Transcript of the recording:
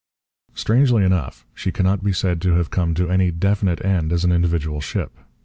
Strangely enough, she cannot be said to have come to any definite end as an individual ship.